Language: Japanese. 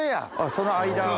その間。